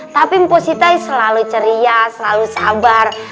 tapi mpo si tai selalu ceria selalu sabar